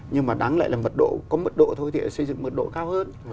nhưng mà đáng lẽ là mật độ có mật độ thôi thì xây dựng mật độ cao hơn